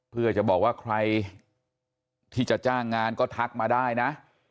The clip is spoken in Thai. เพื่อจะบอกว่าใครที่จะจ้างงานก็ทักมาได้นะ